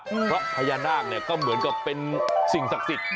เพราะพญานาคเนี่ยก็เหมือนกับเป็นสิ่งศักดิ์สิทธิ์